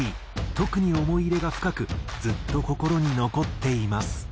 特に思い入れが深くずっと心に残っています」。